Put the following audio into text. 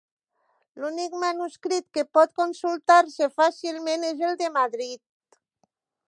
L'únic manuscrit que pot consultar-se fàcilment és el de Madrid.